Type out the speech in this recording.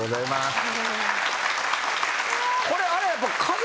これあれやっぱ。